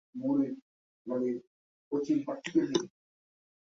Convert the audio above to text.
পরে তীরের কাছাকাছি এলে ট্রলার থেকে নামতে গিয়ে পানিতে পড়ে ডুবে যায়।